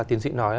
tiến sĩ nói